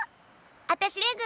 あたしレグ。